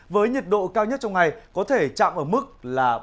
với nhiệt độ cao nhất trong ngày có thể chạm ở mức là ba mươi